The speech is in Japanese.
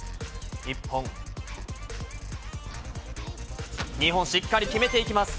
１本、２本、しっかり決めていきます。